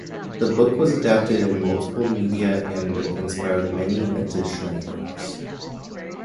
The book was adapted in multiple media and inspired many additional works.